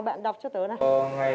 bạn đọc cho tớ nào